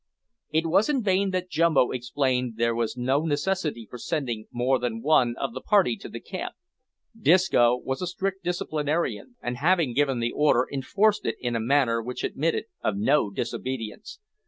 It was in vain that Jumbo explained there was no necessity for sending more than one of the party to the camp. Disco was a strict disciplinarian, and, having given the order, enforced it in a manner which admitted of no disobedience.